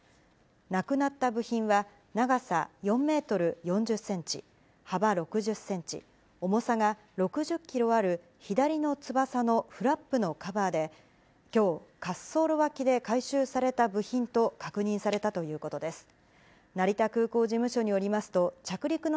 なくなった部品は、長さ４メートル４０センチ、幅６０センチ、重さが６０キロある、左の翼のフラップのカバーで、きょう、滑走路脇で回収された部品と確認されたということです。